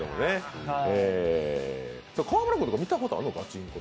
川村君とか見たことある？